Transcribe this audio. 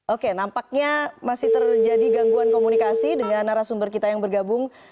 oke nampaknya masih terjadi gangguan komunikasi dengan narasumber kita yang bergabung